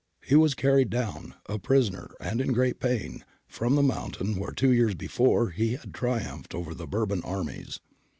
He was carried down, a prisoner and in great pain, from the mountain where two years before he had triumphed over the Bourbon armies.